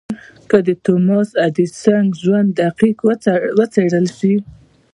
که د توماس ايډېسن ژوند دقيق وڅېړل شي.